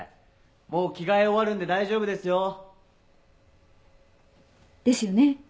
もう着替え終わるんで大丈夫ですよ。ですよね。